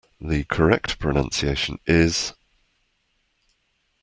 The correct pronunciation is.